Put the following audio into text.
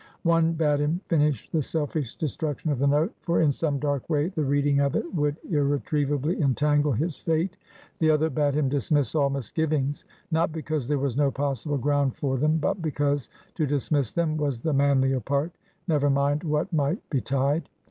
One bade him finish the selfish destruction of the note; for in some dark way the reading of it would irretrievably entangle his fate. The other bade him dismiss all misgivings; not because there was no possible ground for them, but because to dismiss them was the manlier part, never mind what might betide.